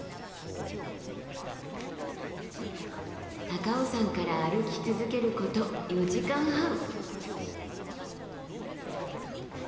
高尾山から歩き続けること４時間半。